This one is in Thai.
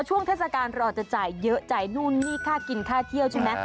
ช่วงเทศกาลรอจะจ่ายเยอะจ่ายนู่นนี่ค่ากินค่าเที่ยวใช่ไหม